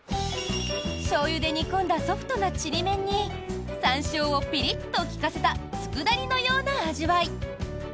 しょうゆで煮込んだソフトなちりめんにサンショウをピリッと利かせた佃煮のような味わい。